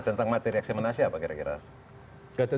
tentang materi eksaminasi apa kira kira